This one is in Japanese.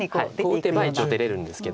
こう打てば一応出れるんですけど。